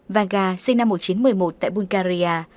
vanga sinh năm một nghìn chín trăm một mươi một tại bulgaria